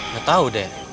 gak tahu dek